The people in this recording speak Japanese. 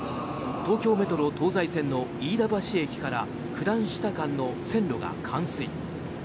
東京メトロ東西線の飯田橋駅から九段下間の線路が冠水。